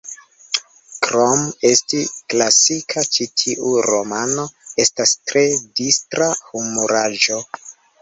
Krom esti klasika, ĉi tiu romano estas tre distra humuraĵo.